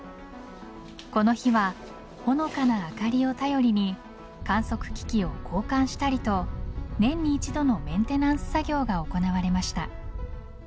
この日はほのかな明かりを頼りに観測機器を交換したりと年に一度のメンテナンス作業が行われました。